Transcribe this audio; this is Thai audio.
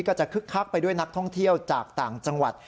คึกคักไปด้วยนักท่องเที่ยวจากต่างจังหวัด